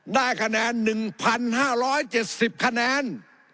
ได้คะแนน๑๕๗๐คะแนน